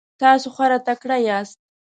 تاسو خورا تکړه یاست.